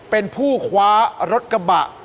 เป็นผู้คว้ารถกระบะ